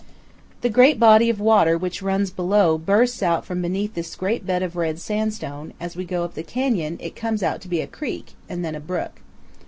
The great body of water which runs below bursts out from beneath this great bed of red sandstone; as we go up the canyon, it comes to be but a creek, and then a brook.